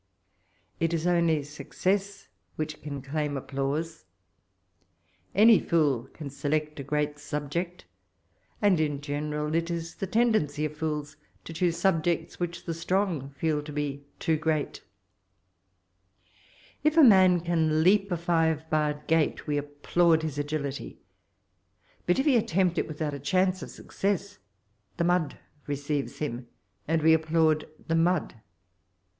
It is only saooess which can daim applause. Any fool can select a great snbjeot; and in geoh eral it is the tendency of fools to choose snbjects which the strong feel to be too great If a man can leap a five barr^ gate, w^appland his agility ; bat if he attentt it, withoat a chance of success, tfaf mud receives him, and we applaud the mud.